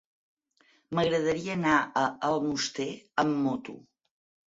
M'agradaria anar a Almoster amb moto.